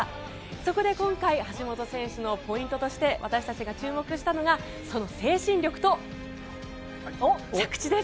そこで今回橋本選手のポイントとして私たちが注目したのがその精神力と着地です。